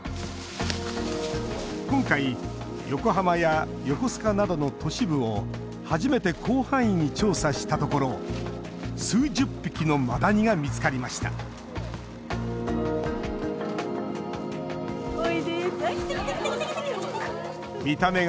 今回、横浜や横須賀などの都市部を初めて広範囲に調査したところ数十匹のマダニが見つかりましたきた、きた、きた！